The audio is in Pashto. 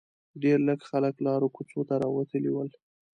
ډېر لږ خلک لارو کوڅو ته راوتلي ول.